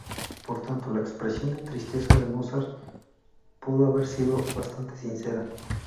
Por tanto, la expresión de tristeza de Mozart pudo haber sido bastante sincera.